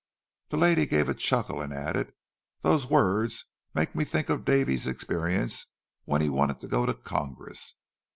The lady gave a chuckle, and added: "Those words make me think of Davy's experience when he wanted to go to Congress!